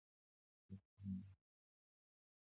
خو دا کار نړۍ ته زیان رسوي.